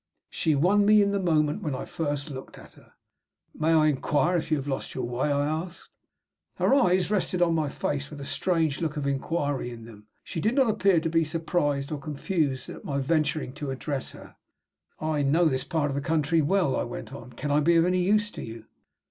She won me in the moment when I first looked at her. "May I inquire if you have lost your way?" I asked. Her eyes rested on my face with a strange look of inquiry in them. She did not appear to be surprised or confused at my venturing to address her. "I know this part of the country well," I went on. "Can I be of any use to you?"